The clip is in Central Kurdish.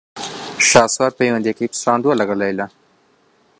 شاسوار پەیوەندییەکەی پچڕاندووە لەگەڵ لەیلا.